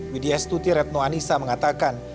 widya stuti retno anissa mengatakan